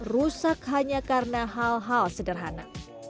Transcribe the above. rusak hanya karena hal hal sederhana